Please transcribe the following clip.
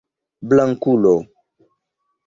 blankulo